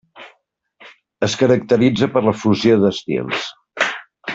Es caracteritza per la fusió d'estils.